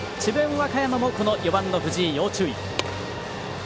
和歌山もこの４番の藤井、要注意。